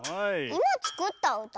いまつくったうた？